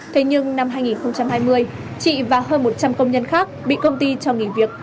thế nhưng năm hai nghìn hai mươi chị và hơn một trăm linh công nhân khác bị công ty cho nghỉ việc